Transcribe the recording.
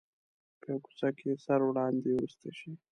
په یوه کوڅه کې سره وړاندې ورسته شي.